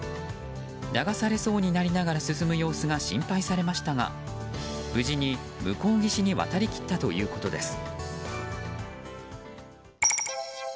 流されそうになりながら進む様子が心配されましたが無事に向こう岸に渡り切ったということです。